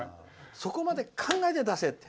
そこまで考えて出せって。